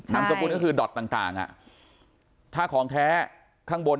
นามสกุลก็คือดอตต่างอ่ะถ้าของแท้ข้างบน